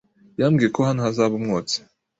yambwiye ko hano hazaba umwotsi.